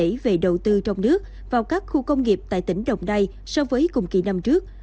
các doanh nghiệp cũng kể về đầu tư trong nước vào các khu công nghiệp tại tỉnh đồng nai so với cùng kỳ năm trước